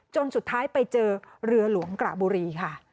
สุดท้ายไปเจอเรือหลวงกระบุรีค่ะ